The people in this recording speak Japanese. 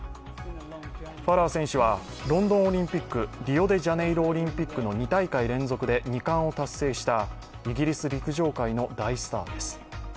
ファラー選手はロンドンオリンピック、リオデジャネイロオリンピックの２大会連続で２冠を達成したイギリス陸上界の大スターです。